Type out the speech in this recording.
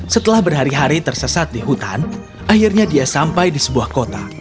setelah berhari hari tersesat di hutan akhirnya dia sampai di sebuah kota